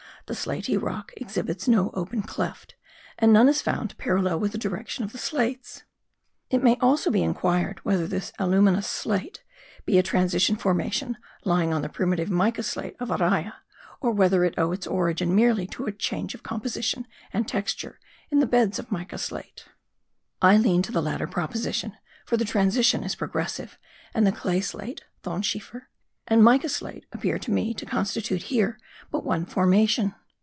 The slaty rock exhibits no open cleft; and none is found parallel with the direction of the slates. It may also be inquired whether this aluminous slate be a transition formation lying on the primitive mica slate of Araya, or whether it owe its origin merely to a change of composition and texture in the beds of mica slate. I lean to the latter proposition; for the transition is progressive, and the clay slate (thonschiefer) and mica slate appear to me to constitute here but one formation.